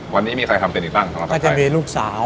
วันนี้มีใครทำเป็นอีกบ้างถ้าจะมีลูกสาว